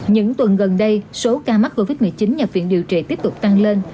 những tuần gần đây số ca mắc covid một mươi chín nhập viện điều trị tiếp tục tăng lên